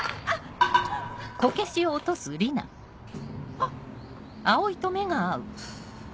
あっ。